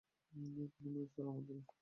Kanmani sir, আমার দিদি।